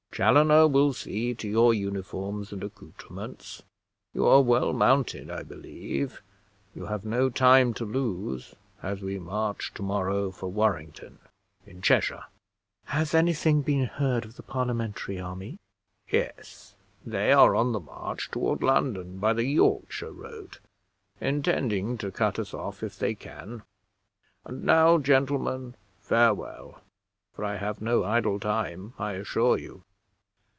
Chaloner will see to your uniforms and accouterments; you are well mounted, I believe; you have no time to lose, as we march to morrow for Warrington, in Cheshire." "Has any thing been heard of the Parliamentary army?" "Yes; they are on the march toward London by the Yorkshire road, intending to cut us off if they can. And now, gentlemen, farewell; for I have no idle time, I assure you."